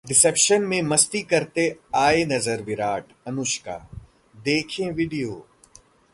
reception में मस्ती करते आए नजर विराट-अनुष्का, देखें वीडियो